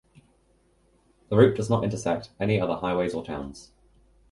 The route does not intersect any other highways or towns.